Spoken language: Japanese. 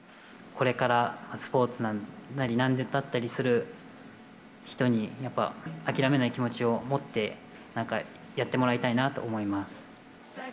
これからスポーツなり、なんだったりする人に、やっぱ諦めない気持ちを持って、やってもらいたいなと思います。